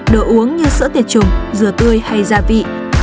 đồ uống như sữa tiệt trùng rửa tươi hay gia vị